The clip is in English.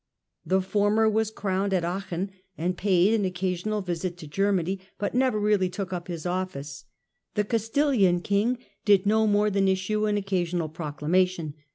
The former was crowned at Aachen and paid an occasional visit to Germany, but never really took up his office ; the Castilian King did no more than issue an occasional proclamation.